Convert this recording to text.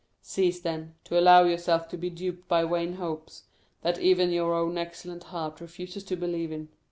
Cease, then, to allow yourself to be duped by vain hopes, that even your own excellent heart refuses to believe in.